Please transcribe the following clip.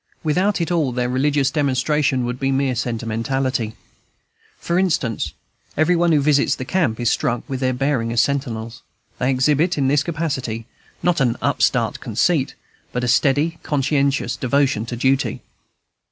Without it all their religious demonstration would be mere sentimentality. For instance, every one who visits the camp is struck with their bearing as sentinels. They exhibit, in this capacity, not an upstart conceit, but a steady, conscientious devotion to duty.